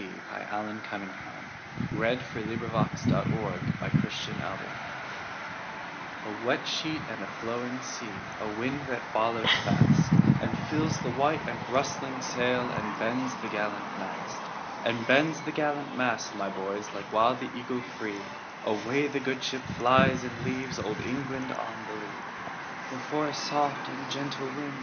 Allan Cunningham CCV. "A wet sheet and a flowing sea" A WET sheet and a flowing sea,A wind that follows fastAnd fills the white and rustling sailAnd bends the gallant mast; And bends the gallant mast, my boys, While like the eagle freeAway the good ship flies, and leavesOld England on the lee."O for a soft and gentle wind!"